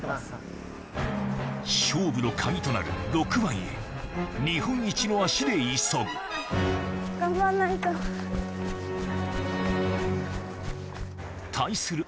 勝負のカギとなる６番へ日本一の足で急ぐ対する